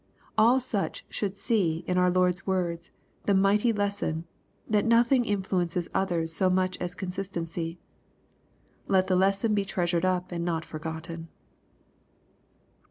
'* AH such should see in our Lord's words the mighty lesson, that nothing influences others so much as con sistency. Let the lesson be treasured up and not forgotten.